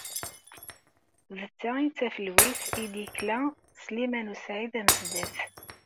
D ta ay d tafelwit ay d-yekla Sliman u Saɛid Amezdat.